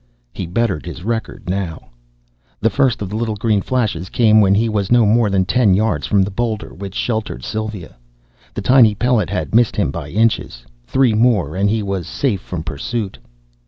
He bettered his record now. The first of the little green flashes came when he was no more than ten yards from the boulder which sheltered Sylva. The tiny pellet had missed him by inches. Three more, and he was safe from pursuit.